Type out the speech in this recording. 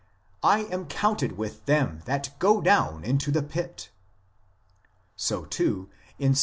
" I am counted with them that go down into the Pit" ; so, too, in Ps.